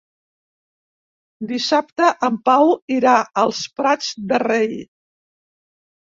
Dissabte en Pau irà als Prats de Rei.